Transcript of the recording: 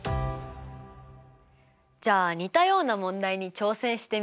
じゃあ似たような問題に挑戦してみましょうか？